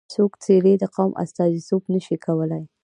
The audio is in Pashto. څو څېرې د قوم استازیتوب نه شي کولای.